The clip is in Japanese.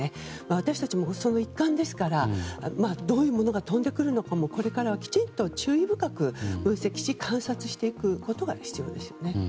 私たちも、その一環ですからどういうものが飛んでくるのかもこれからは、きちんと注意深く分析し、観察していくことが必要ですね。